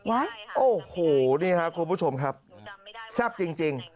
โอ้โหนี่ครับคุณผู้ชมครับแซ่บจริง